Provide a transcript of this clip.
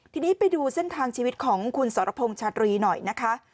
ทีนี้ไปดูเส้นทางชีวิตของคุณสรพงษ์ชาตรีหน่อยนะคะ